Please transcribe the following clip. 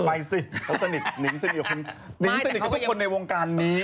ไปสิสนิทกับทุกคนในวงการนี้